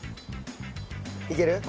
いける？